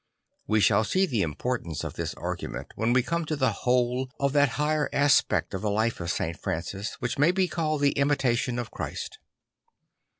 We shall see the importance of this argument when \ve come to the whole of that higher aspect of the life of St. Francis which may be called the Imitation of Christ.